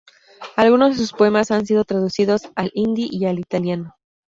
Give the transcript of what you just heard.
Algunos de sus poemas han sido traducidos al hindi y al italiano.